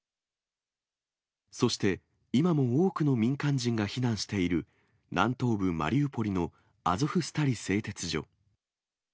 そして今も多くの民間人が避難している南東部マリウポリのアゾフスタリ製鉄所。